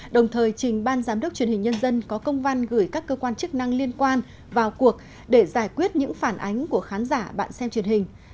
đồng thời trình ban giám đốc truyền hình nhân dân có công văn gửi các cơ quan chức năng liên quan vào cuộc để giải quyết những phản ánh của khán giả bạn xem truyền hình